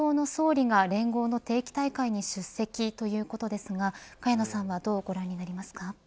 １６年ぶりに自民党の総理が連合の定期大会に出席ということですが萱野さんはどうご覧になりますか。